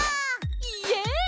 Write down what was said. イエイ！